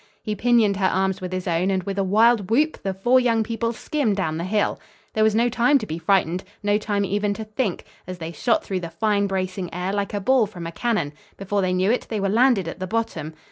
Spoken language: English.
He pinioned her arms with his own and with a wild whoop the four young people skimmed down the hill. There was no time to be frightened, no time even to think, as they shot through the fine bracing air like a ball from a cannon. Before they knew it, they were landed at the bottom.